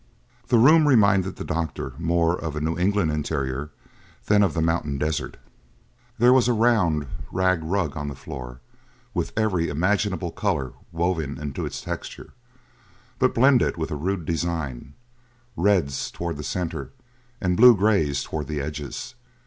The room reminded the doctor more of a New England interior than of the mountain desert. There was a round rag rug on the floor with every imaginable colour woven into its texture, but blended with a rude design, reds towards the centre and blue greys towards the edges.